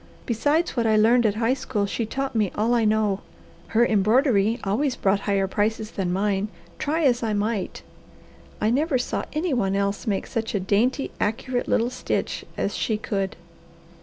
Besides what I learned at high school she taught me all I know. Her embroidery always brought higher prices than mine, try as I might. I never saw any one else make such a dainty, accurate little stitch as she could."